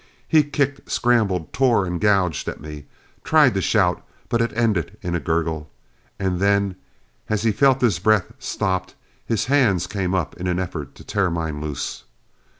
He kicked, scrambled, tore and gouged at me. Tried to shout, but it ended in a gurgle. And then, as he felt his breath stopped, his hands came up in an effort to tear mine loose.